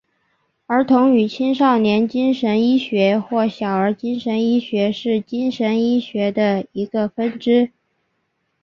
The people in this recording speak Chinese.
儿童与青少年精神医学或小儿精神医学是精神医学的一个分支。